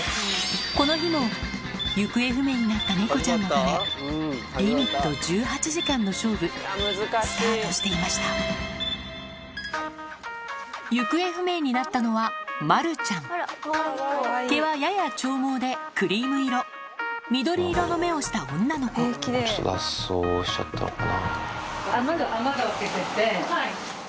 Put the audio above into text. この日も行方不明になった猫ちゃんのためリミット１８時間の勝負スタートしていました行方不明になったのはまるちゃん毛はやや長毛でクリーム色緑色の目をした女の子脱走しちゃったのかな。